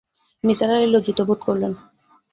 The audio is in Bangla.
নিসার আলি লজ্জিত বোধ করলেন।